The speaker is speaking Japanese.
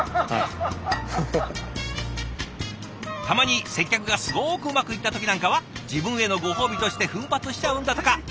たまに接客がすごくうまくいった時なんかは自分へのご褒美として奮発しちゃうんだとか。